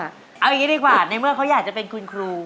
เอาอย่างนี้ดีกว่าในเมื่อเขาอยากจะเป็นคุณครู